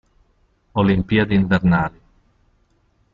Olimpiadi invernali